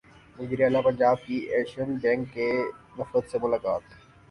وزیراعلی پنجاب کی Asian bank کے وفد سے ملاقات